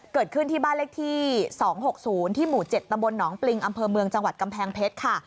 เกิดขึ้นที่บ้านเลขที่๒๖๐ที่หมู่๗ตำบลหนองปริงอำเภอเมืองจังหวัดกำแพงเพชรค่ะ